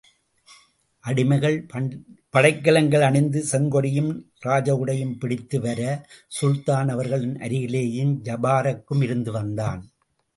அடிமைகள் படைக்கலங்கள் அணிந்து, செங்கொடியும் ராஜகுடையும் பிடித்துவர சுல்தான் அவர்களின் அருகிலேயே ஜபாரக்கும் இருந்து வந்தான்.